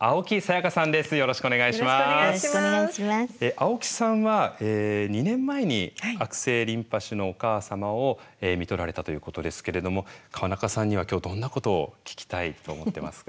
青木さんは２年前に悪性リンパ腫のお母様をみとられたということですけれども川中さんには今日どんなことを聞きたいと思ってますか？